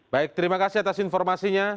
baik terima kasih atas informasinya